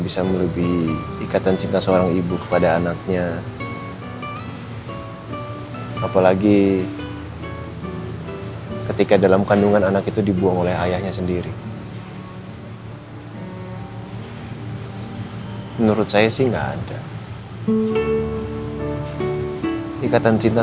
sampai jumpa di video selanjutnya